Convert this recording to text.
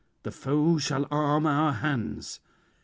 the foe shall arm our hands."